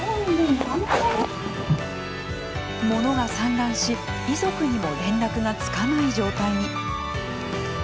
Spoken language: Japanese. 物が散乱し、遺族にも連絡がつかない状態に。